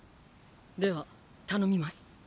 では頼みます。